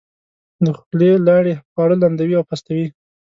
د خولې لاړې خواړه لمدوي او پستوي.